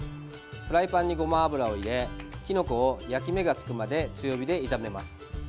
フライパンに、ごま油を入れきのこを焼き目がつくまで強火で炒めます。